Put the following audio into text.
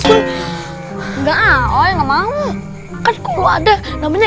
enggak ngamau ada namanya